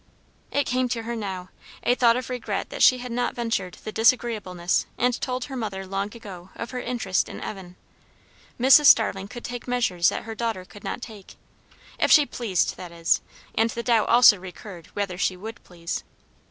It came to her now, a thought of regret that she had not ventured the disagreeableness and told her mother long ago of her interest in Evan. Mrs. Starling could take measures that her daughter could not take. If she pleased, that is; and the doubt also recurred, whether she would please.